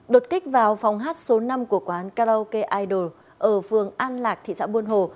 đột kích vào phòng hát số năm của quán karaoke ideal ở phường an lạc thị xã buôn hồ